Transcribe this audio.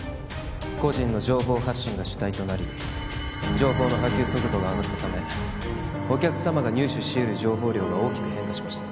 個人の情報発信が主体となり情報の波及速度が上がったためお客様が入手し得る情報量が大きく変化しました